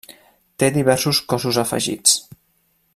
Té diversos cossos afegits.